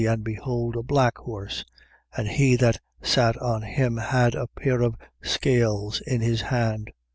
And behold a black horse. And he that sat on him had a pair of scales in his hand.